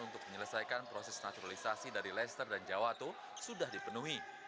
untuk menyelesaikan proses naturalisasi dari leicester dan jawato sudah dipenuhi